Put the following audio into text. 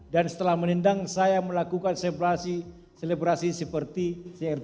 dan setelah menendang saya melakukan selebrasi seperti cr tujuh